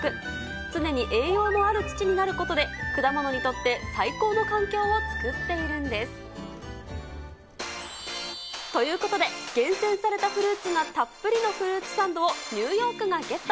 常に栄養のある土になることで、果物にとって最高の環境を作っているんです。ということで、厳選されたフルーツがたっぷりのフルーツサンドを、ニューヨークがゲット。